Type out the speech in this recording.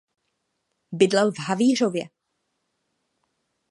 Bydlel v Havířově.